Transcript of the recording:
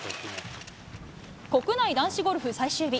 国内男子ゴルフ最終日。